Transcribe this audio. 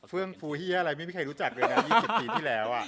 เฟื่องฟูเฮียอะไรไม่มีใครรู้จักเลยนะ๒๐ปีที่แล้ว